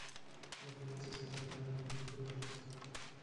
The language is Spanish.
La final se celebra cada año en la Feria de Agosto.